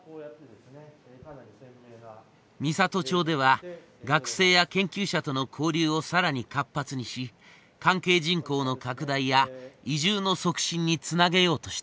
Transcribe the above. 美郷町では学生や研究者との交流を更に活発にし関係人口の拡大や移住の促進につなげようとしている。